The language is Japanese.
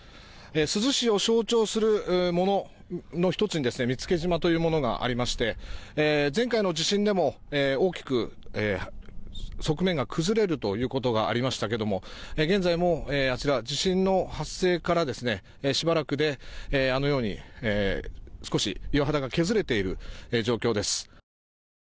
珠洲市を象徴するものの１つに見附島というものがありまして前回の地震でも大きく側面が崩れるということがありましたけども現在も地震の発生からしばらくで、あのように少し岩肌が削れている状況です。